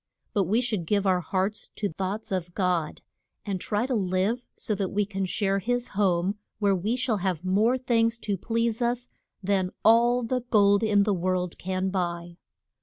But we should give our hearts to thoughts of God, and try to live so that we can share his home, where we shall have more things to please us than all the gold in the world can buy.